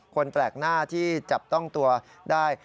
คนแปลกหน้าที่จับต้องตัวได้